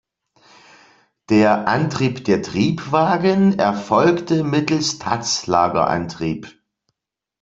Der Antrieb der Triebwagen erfolgte mittels Tatzlagerantrieb.